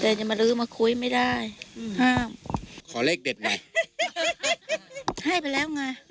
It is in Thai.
แต่จะมาลื้อมาคุยไม่ได้อืมห้ามขอเลขเด็ดหน่อยให้ไปแล้วไง